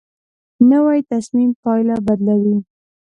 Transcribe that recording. نوې تصمیم پایله بدلوي